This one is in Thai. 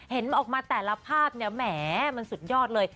เห็นออกมาแต่ละภาพเนี่ยแหมมันสุดยอดเลย